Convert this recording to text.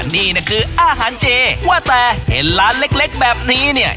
นี่นะคืออาหารเจว่าแต่เห็นร้านเล็กแบบนี้เนี่ย